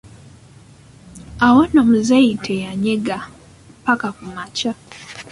Awo nno muzeeyi teyanyega mpaka ku kumakya.